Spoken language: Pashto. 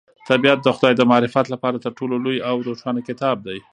طبیعت د خدای د معرفت لپاره تر ټولو لوی او روښانه کتاب دی.